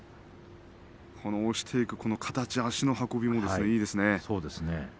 押していく形足の運びもいいですね。